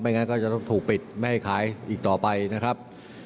งั้นก็จะต้องถูกปิดไม่ให้ขายอีกต่อไปนะครับ